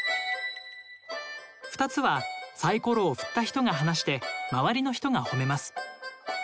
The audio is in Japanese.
２つはサイコロを振った人が話して周りの人がほめます。